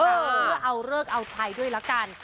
เพื่อเอาเลิกเอาชัยด้วยละกัน